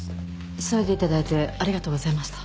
急いでいただいてありがとうございました。